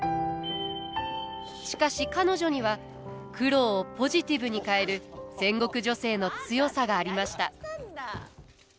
しかし彼女には苦労をポジティブに変える戦国女性の強さがありました。